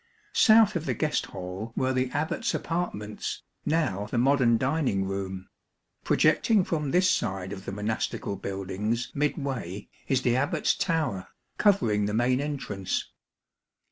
South of the guest hall were the Abbat's apartments, now the modern dining room. Projecting from this side of the monastical buildings mid way is the Abbat's tower, covering the main entrance.